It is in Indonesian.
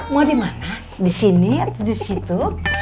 mau dimana disini atau disitu